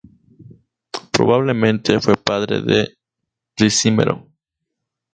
Probablemente fue padre de Ricimero.